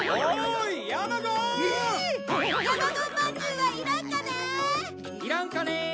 いらんかね？